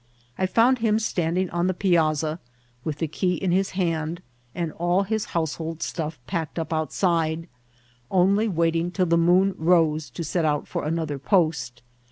I found him standing on the piazza, with the key in his hand, and all his househc4d stuff packed up outside, only waiting till the moon rose to set out for another post.